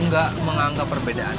gak menganggap perbedaan